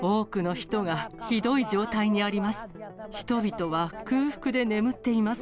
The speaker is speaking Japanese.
人々は空腹で眠っています。